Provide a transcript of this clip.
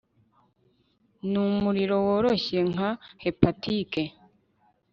Numuriro woroshye nka hepatike